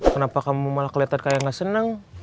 kenapa kamu malah keliatan kayak ga seneng